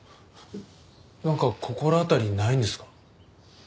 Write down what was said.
なんか心当たりないんですか？